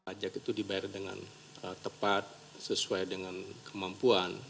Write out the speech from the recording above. pajak itu dibayar dengan tepat sesuai dengan kemampuan